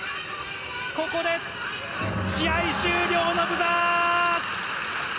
ここで試合終了のブザー。